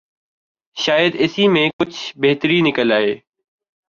شاید اسی میں سے کچھ بہتری نکل آئے۔